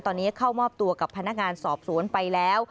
ตอนนี้เข้ามอบตัวกับพนักงานสอบสวนไปแล้ว